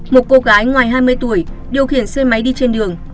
một cô gái ngoài hai mươi tuổi điều khiển xe máy đi trên đường